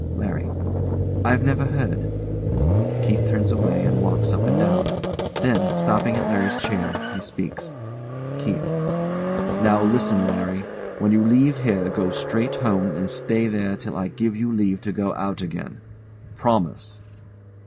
LARRY. I've never heard. KEITH turns away and walks up and down; then, stopping at LARRY's chair, he speaks. KEITH. Now listen, Larry. When you leave here, go straight home, and stay there till I give you leave to go out again. Promise.